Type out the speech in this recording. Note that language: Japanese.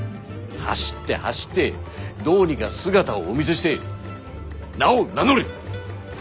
走って走ってどうにか姿をお見せして名を名乗れ。